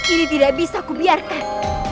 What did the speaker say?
ini tidak bisa kubiarkan